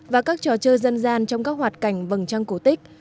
và các trò chơi dân gian trong các hoạt cảnh vầng trăng cổ tích